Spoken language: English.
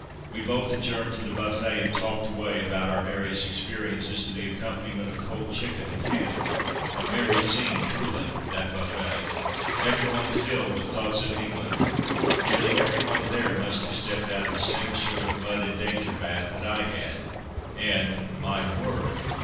We both adjourned to the buffet, and talked away about our various experiences to the accompaniment of cold chicken and ham. A merry scene truly, that buffet every one filled with thoughts of England. Nearly every one there must have stepped out of the same sort of mud and danger bath that I had. And, my word!